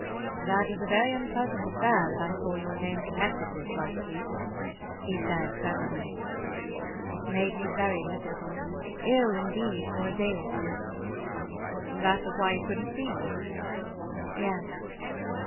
"That was a very unpleasant affair that I saw your name connected with last week," he said presently. "It made me very miserable—ill indeed for a day or two." "That was why you couldn't see me?" "Yes."